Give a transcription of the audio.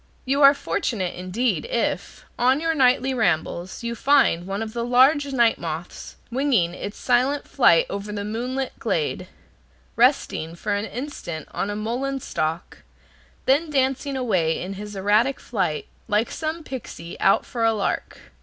You are fortunate indeed, if, on your nightly rambles, you find one of the large night moths winging its silent flight over the moonlit glade, resting for an instant on a mullein stalk, then dancing away in his erratic flight, like some pixy out for a lark.